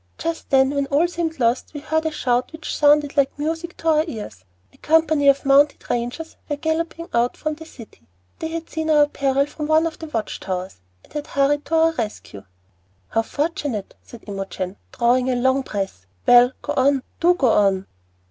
Just then, when all seemed lost, we heard a shout which sounded like music to our ears. A company of mounted Rangers were galloping out from the city. They had seen our peril from one of the watch towers, and had hurried to our rescue." "How fortunate!" said Imogen, drawing a long breath. "Well, go on do go on."